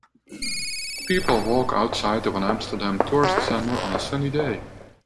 People walk outside of an Amsterdam tourist center on a sunny day.